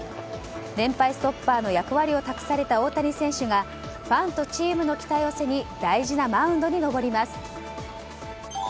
連敗ストッパーの役割を託された大谷選手がファンとチームの期待を背に大事なマウンドに登ります。